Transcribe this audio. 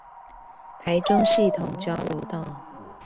台中系統交流道